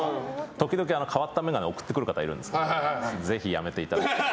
時々変わった眼鏡送ってくる方いるんですけどぜひやめていただきたい。